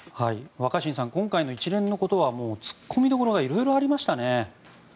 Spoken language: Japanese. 若新さん、今回の一連のことについては突っ込みどころが色々ありましたね。